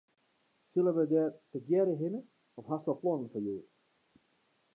Sille we dêr tegearre hinne of hast al plannen foar hjoed?